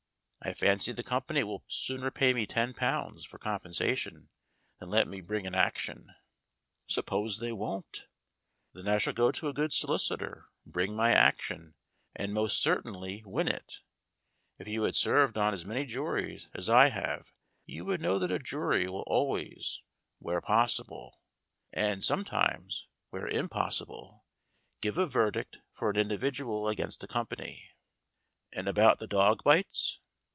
I fancy the company will sooner pay me ten pounds for compen sation than let me bring an action." "Suppose they won't?" "Then I shall go to a good solicitor, bring my action, and most certainly win it. If you had served on as many juries as I have you would know that a jury will always, where possible (and sometimes where impos 198 STORIES WITHOUT TEARS sible), give a verdict for an individual against a com pany." "And about the dog bites?"